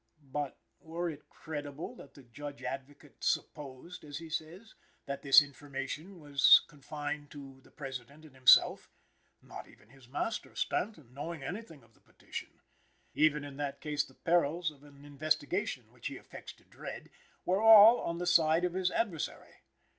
But, were it credible that the Judge Advocate "supposed," as he says, "that this information was confined to" the President and himself, (not even his master, Stanton, knowing anything of the petition), even in that case the "perils" of an investigation, which he affects to dread, were all on the side of his adversary.